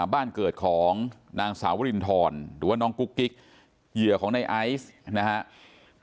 บ้านเกิดของนางสาวรินทรหรือว่าน้องกุ๊กกิ๊กเหยื่อของในไอซ์นะครับ